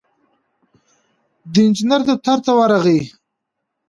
د انجينر دفتر ته ورغی.